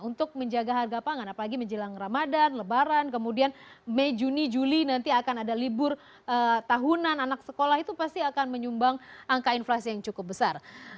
untuk menjaga harga pangan apalagi menjelang ramadan lebaran kemudian mei juni juli nanti akan ada libur tahunan anak sekolah itu pasti akan menyumbang angka inflasi yang cukup besar